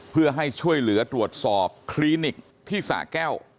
เพื่อให้ช่วยเหลือตรวจสอบคลินิกที่สะแก้ว